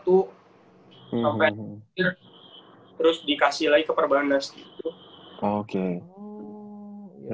terus dikasih lagi ke perbandas gitu